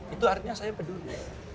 itu artinya saya peduli